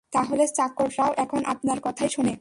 তাহলে চাকররাও এখন আপনার কথাই শোনে!